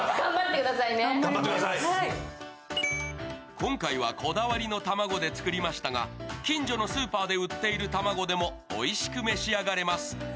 今回はこだわりのたまごで作りましたが近所のスーパーで売っている卵でもおいしく召し上がれます。